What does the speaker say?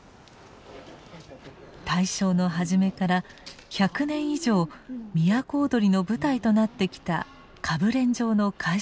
大正の初めから１００年以上都をどりの舞台となってきた歌舞練場の改修工事です。